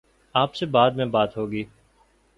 آپ سے بعد میں بات ہو گی۔